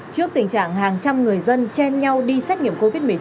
trước tình trạng hàng trăm người dân chen nhau đi xét nghiệm covid một mươi chín